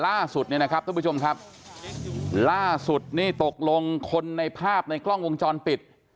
ล่าสุดเนี่ยนะครับท่านผู้ชมครับล่าสุดนี่ตกลงคนในภาพในกล้องวงจรปิด